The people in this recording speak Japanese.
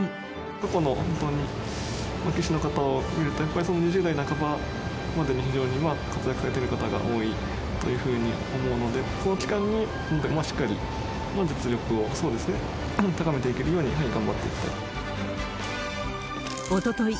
過去の、本当に、棋士の方を見ると、やっぱり２０代半ばまでに非常に活躍されてる方が多いというふうに思うので、その期間にしっかり実力を高めていけるように頑張っていきたい。